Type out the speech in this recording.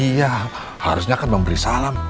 iya harusnya kan memberi salam